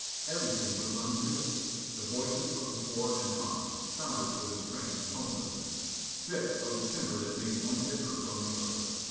Everything was unreal. The voices of De Boer and Hans sounded with a strange tonelessness. Stripped of the timber that made one differ from the other.